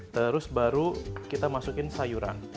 terus baru kita masukin sayuran